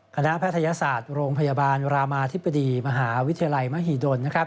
แพทยศาสตร์โรงพยาบาลรามาธิบดีมหาวิทยาลัยมหิดล